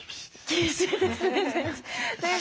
厳しいですね先生。